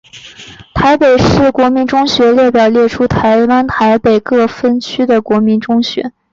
台北市国民中学列表表列出台湾台北市各分区的国民中学。